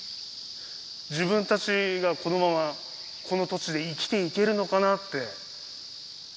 自分たちがこのままこの土地で生きていけるのかなって。